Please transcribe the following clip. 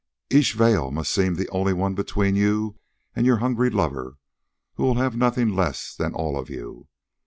Each veil must seem the only one between you and your hungry lover who will have nothing less than all of you.